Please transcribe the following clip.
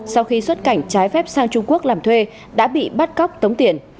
sau khi xuất cảnh trái phép sang trung quốc làm thuê đã bị bắt cóc tống tiền